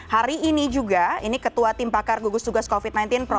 hari ini juga ini ketua tim pakar gugus tugas covid sembilan belas prof wiku adhisa smito